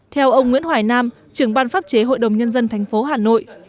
theo ông nguyễn hoài nam trưởng ban pháp chế hội đồng nhân dân thành phố hà nội